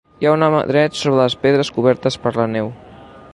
Hi ha un home dret sobre pedres cobertes per la neu.